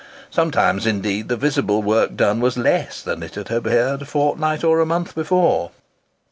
Sometimes, indeed, the visible work done was less than it had appeared a fortnight or a month before!